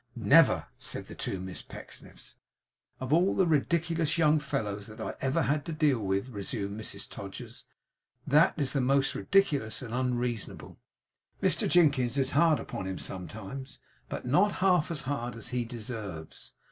'Never!' said the two Miss Pecksniffs. 'Of all the ridiculous young fellows that ever I had to deal with,' resumed Mrs Todgers, 'that is the most ridiculous and unreasonable. Mr Jinkins is hard upon him sometimes, but not half as hard as he deserves.